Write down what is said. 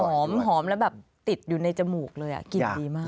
หอมแล้วแบบติดอยู่ในจมูกเลยกลิ่นดีมาก